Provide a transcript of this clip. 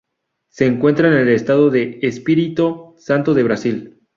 Se encuentra en el estado de Espirito Santo de Brasil.